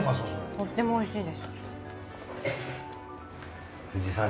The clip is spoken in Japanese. とってもおいしいです。